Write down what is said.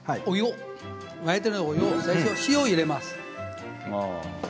お湯、塩を入れます。